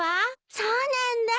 そうなんだ。